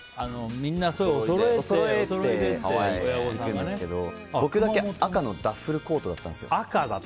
おそろいだったんですけど僕だけ赤のダッフルコートだったんですよ。